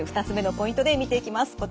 ２つ目のポイントで見ていきます。